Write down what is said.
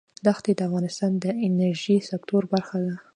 ښتې د افغانستان د انرژۍ سکتور برخه ده.